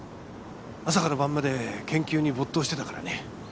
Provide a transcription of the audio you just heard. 朝から晩まで研究に没頭してたからね